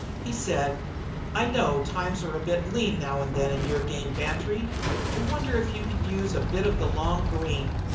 He said: "I know times are a bit lean now and then in your game, Bantry. I wonder if you could use a bit of the long green?